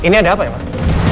ini ada apa ya pak